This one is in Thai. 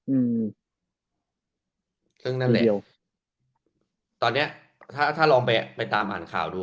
อืมซึ่งนั่นแหละตอนเนี้ยถ้าถ้าลองไปไปตามอ่านข่าวดู